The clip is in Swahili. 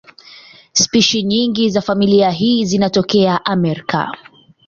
Spishi nyingine za familia hii zinatokea Amerika.